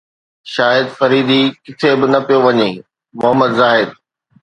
شاهد فريدي ڪٿي به نه پيو وڃي محمد زاهد